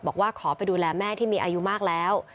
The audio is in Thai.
บอกว่าขอไปดูแลแม่ที่มีอายุมากแล้ว